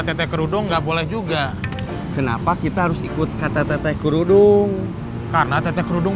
teteh kerudung nggak boleh juga kenapa kita harus ikut kata teteh kerudung karena teteh kerudung